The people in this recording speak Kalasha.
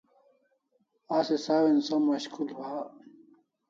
Asi sawin som mashkul ha